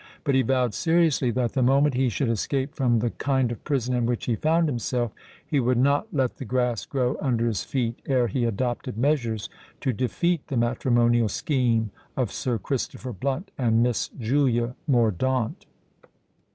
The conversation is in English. But he vowed seriously that the moment he should escape from the kind of prison in which he found himself, he would not let the grass grow under his feet ere he adopted measures to defeat the matrimonial scheme of Sir Christopher Blunt and Miss Julia Mordaunt.